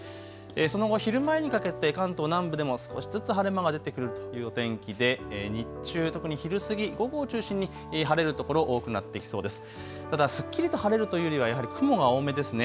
その後、昼前にかけて関東南部でも少しずつ晴れ間が出てくるというお天気で、日中、特に昼過ぎ、午後を中心に晴れる所、多くなってきそうです。